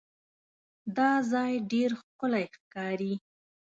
دا ځای ډېر ښکلی ښکاري.